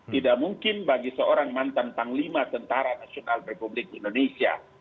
tidak mungkin bagi seorang mantan panglima tentara nasional republik indonesia